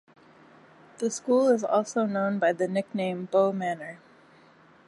The school is also known by the nickname Bo Manor.